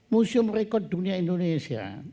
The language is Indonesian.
museum rekod dunia indonesia